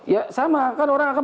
ya sama kan orang akan